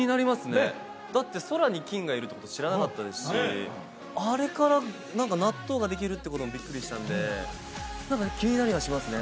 ねだって空に菌がいるってこと知らなかったですしあれから納豆ができるってこともビックリしたんで何か気になりはしますね